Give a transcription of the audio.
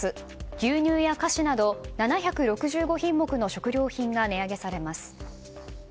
牛乳や菓子など７６５品目の食料品が値上げされます。